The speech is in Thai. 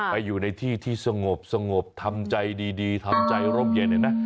ไปอยู่ในที่ที่สงบทำใจดีทำใจร่มเย็นเลยนะ